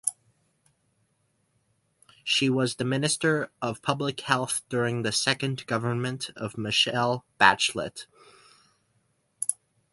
She was the Minister of Public Health during the second government of Michelle Bachelet.